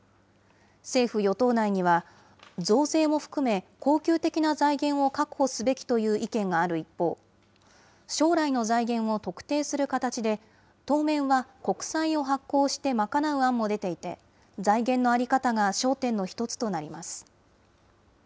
政府・与党内には、増税を含め、恒久的な財源を確保すべきという意見がある一方、将来の財源を特定する形で、当面は国債を発行して賄う案も出ていて、財源の在り方が焦点の１つとなります。